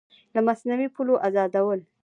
له مصنوعي پولو ازادول